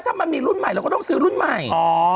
ถ้ามันมีรุ่นใหม่เราก็ต้องซื้อรุ่นใหม่